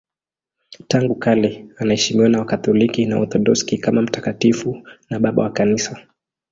Tangu kale anaheshimiwa na Wakatoliki na Waorthodoksi kama mtakatifu na Baba wa Kanisa.